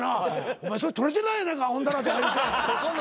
お前それ撮れてないやないかアホンダラとか言うて。